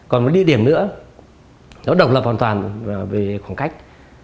còn một địa điểm nữa nó độc lập hoàn toàn về khoảng cách